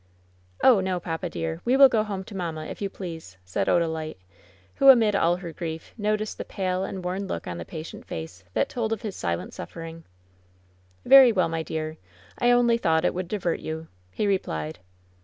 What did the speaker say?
"Oh, no; papa, dear. We will go home to mamma, if you please," said Odalite, who, amid all her grief, no ticed the pale and worn look on the patient face that told of his silent suffering. ^^ery well, my dear. I only thought it would divert you," he replied.